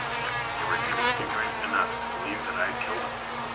They were even ignorant enough to believe that I had killed him.